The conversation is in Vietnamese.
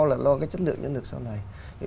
là lo cái chất lượng nhân lực sau này